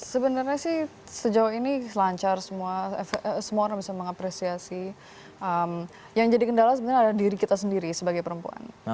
sebenarnya sih sejauh ini lancar semua orang bisa mengapresiasi yang jadi kendala sebenarnya adalah diri kita sendiri sebagai perempuan